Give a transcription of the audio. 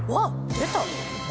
出た！